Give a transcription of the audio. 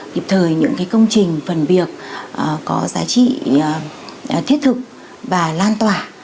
kịp thời những công trình phần việc có giá trị thiết thực và lan tỏa